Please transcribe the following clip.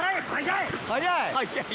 速い。